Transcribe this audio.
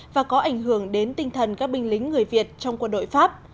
và có ảnh hưởng đến tinh thần các binh lính người việt trong quân đội pháp